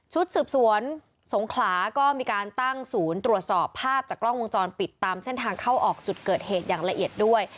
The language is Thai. สืบสวนสงขลาก็มีการตั้งศูนย์ตรวจสอบภาพจากกล้องวงจรปิดตามเส้นทางเข้าออกจุดเกิดเหตุอย่างละเอียดด้วย